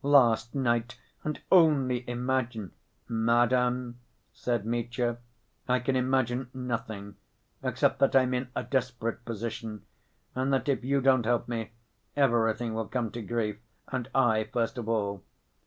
"Last night, and only imagine—" "Madam," said Mitya, "I can imagine nothing except that I'm in a desperate position, and that if you don't help me, everything will come to grief, and I first of all.